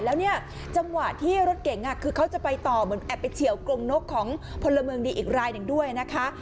แล้วเนี่ยจังหวะที่รถเก๋งคือเขาจะไปต่อเหมือนแอบไปเฉียวกรงนกของพลเมืองดีอีกรายหนึ่งด้วยนะคะ